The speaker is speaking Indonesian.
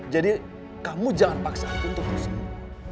jadi kamu jangan paksa aku untuk sembuh